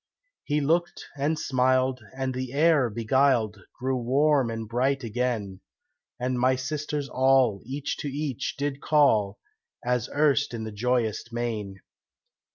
He looked and smiled, and the air, beguiled, Grew warm and bright again, And my sisters all each to each did call, As erst in the joyous main.